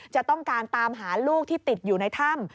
จะต้องการตามหาลูกที่ติดอยู่ในถ้ำ